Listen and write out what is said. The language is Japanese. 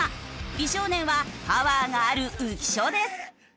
美少年はパワーがある浮所です。